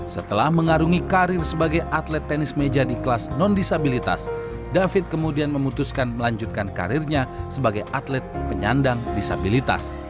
setelah mengarungi karir sebagai atlet tenis meja di kelas non disabilitas david kemudian memutuskan melanjutkan karirnya sebagai atlet penyandang disabilitas